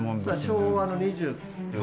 昭和の２５年。